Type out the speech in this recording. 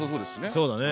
そうだね。